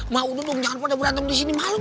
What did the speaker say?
mau lu tuh jangan pada berantem disini malu